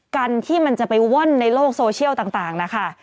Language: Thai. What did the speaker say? กันที่มันจะไปว่อนในโลกโซเชียลต่างนะคะ